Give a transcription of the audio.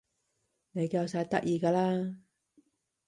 你夠晒得意㗎啦